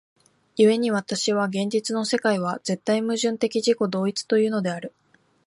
故に私は現実の世界は絶対矛盾的自己同一というのである。